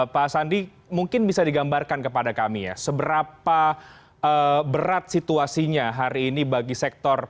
pak sandi mungkin bisa digambarkan kepada kami ya seberapa berat situasinya hari ini bagi sektor